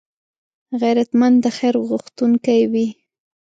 غیرتمند د خیر غوښتونکی وي